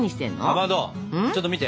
かまどちょっと見て。